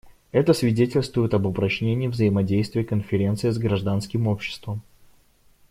Это свидетельствует об упрочении взаимодействия Конференции с гражданским обществом.